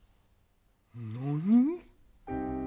何！？